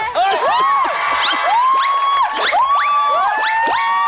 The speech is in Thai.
เก่งมากเก่งมาก